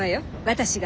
私が。